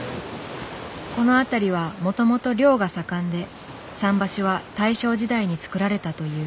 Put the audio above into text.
この辺りはもともと漁が盛んで桟橋は大正時代につくられたという。